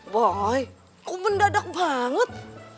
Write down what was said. boy kok mendadak banget